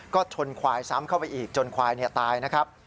ก็ชนควายซ้ำเข้าไปอีกจนควายตายนะครับ